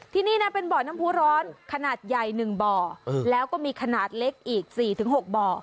ที่นี่นะเป็นบ่อน้ำผู้ร้อนขนาดใหญ่๑บ่อแล้วก็มีขนาดเล็กอีก๔๖บ่อ